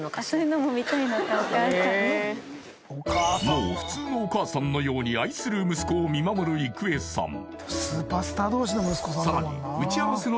もう普通のお母さんのように愛する息子を見守る郁恵さん